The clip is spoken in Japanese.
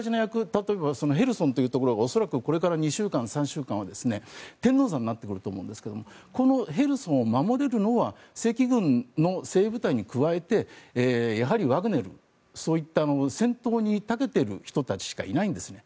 例えばヘルソンというところは恐らくこれから２週間、３週間は天王山になってくると思うんですがこのヘルソンを守れるのは正規軍の精鋭部隊に加えてやはりワグネルそういった戦闘にたけている人たちしかいないんですね。